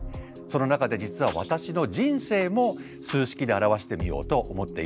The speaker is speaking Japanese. その中で実は私の人生も数式で表してみようと思っています。